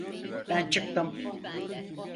Ben çıktım.